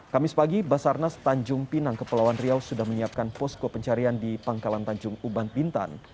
kamis pagi basarnas tanjung pinang kepulauan riau sudah menyiapkan posko pencarian di pangkalan tanjung uban bintan